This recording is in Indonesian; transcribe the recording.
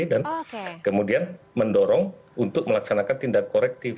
dan kemudian mendorong untuk melaksanakan tindak korektif